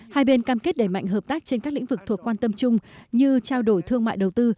hai bên cam kết đẩy mạnh hợp tác trên các lĩnh vực thuộc quan tâm chung như trao đổi thương mại đầu tư